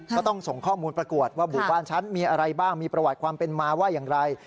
ก็ต้องส่งข้อมูลประกวดว่าหมู่บ้านฉันมีอะไรบ้างมีประวัติความเป็นมาว่าอย่างไร